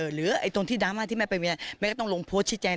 หรือตรงที่ดราม่าที่แม่ไปเมียแม่ก็ต้องลงโพสต์ชี้แจง